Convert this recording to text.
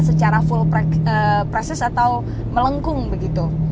secara full presis atau melengkung begitu